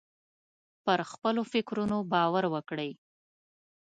پر خپلو فکرونو باور وکړئ.